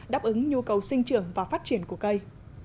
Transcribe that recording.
đáp ứng nhu cầu sinh trưởng và phát triển của cây